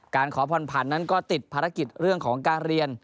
ขอผ่อนผันนั้นก็ติดภารกิจเรื่องของการเรียน